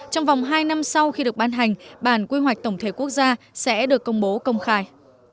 trong vòng hai năm sau khi được ban hành bản quy hoạch tổng thể quốc gia sẽ được công bố công khai